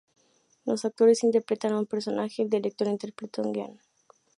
Los actores interpretan un personaje y el director interpreta un guion.